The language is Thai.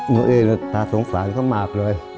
ลูกเอ๊ยตาสงสารก็มากเลย